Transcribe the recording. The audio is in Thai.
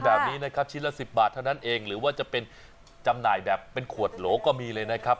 แบบนี้นะครับชิ้นละ๑๐บาทเท่านั้นเองหรือว่าจะเป็นจำหน่ายแบบเป็นขวดโหลก็มีเลยนะครับ